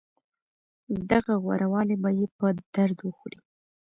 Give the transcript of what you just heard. دغه غوره والی به يې په درد وخوري.